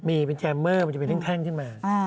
มีเป็นแจมเมอร์มันจะเป็นแท่งขึ้นมา